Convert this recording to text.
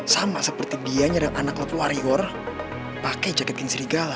sama seperti dia nyerang anak club warrior pake jaket genshin gala